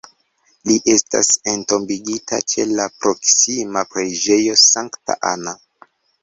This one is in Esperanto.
Li estas entombigita ĉe la proksima Preĝejo Sankta Anna.